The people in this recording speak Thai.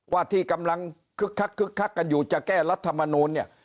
ว่าที่กำลังคึกคักคึกคักกันอยู่จะแก้รัฐมนูลเนี่ย